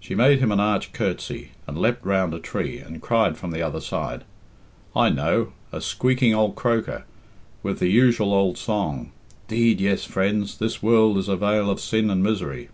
She made him an arch curtsey and leapt round a tree, and cried from the other side, "I know. A squeaking old croaker, with the usual old song, 'Deed yes, friends, this world is a vale of sin and misery.'